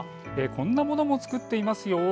こんなものも作っていますよ。